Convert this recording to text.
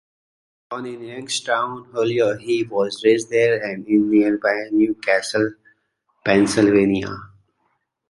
Born in Youngstown, Ohio, he was raised there and in nearby New Castle, Pennsylvania.